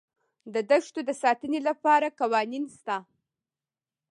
د دښتو د ساتنې لپاره قوانین شته.